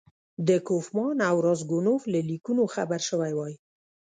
د کوفمان او راسګونوف له لیکونو خبر شوی وای.